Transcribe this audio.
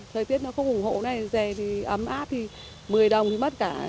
thời tiết nó không ủng hộ này về thì ấm áp thì một mươi đồng thì mất cả